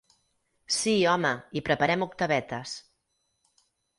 Sí, home, i preparem octavetes.